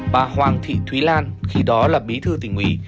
bà hoàng thị thúy lan khi đó là bí thư tỉnh ủy